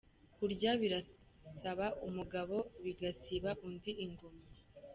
Kurya birasaba umugabo bigasiba undi igoma